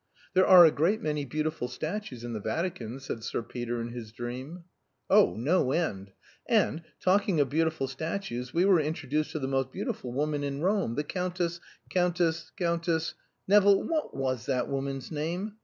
"There are a great many beautiful statues in the Vatican," said Sir Peter in his dream. "Oh, no end. And, talking of beautiful statues, we were introduced to the most beautiful woman in Rome, the Countess Countess Countess Nevill, what was that woman's name?